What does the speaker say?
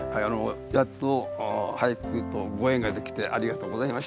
やっと俳句とご縁ができてありがとうございました。